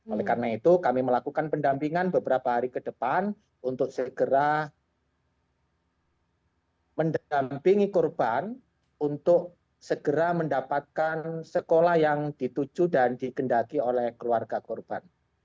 oleh karena itu kami melakukan pendampingan beberapa hari ke depan untuk segera mendampingi korban untuk segera mendapatkan sekolah yang dituju dan digendaki oleh keluarga korban